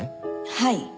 はい。